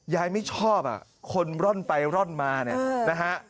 ยายไม่ชอบคนร่อนไปร่อนมานะฮะ